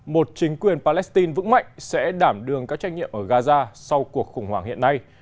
một chính quyền palestine vững mạnh sẽ đảm đường các trách nhiệm ở gaza sau cuộc khủng hoảng hiện nay